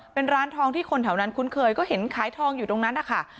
เป็นร้านทองที่คนแถวนั้นคุ้นเคยก็เห็นขายทองอยู่ตรงนั้นนะคะ